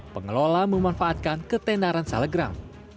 pengelola memanfaatkan ketendaran salegram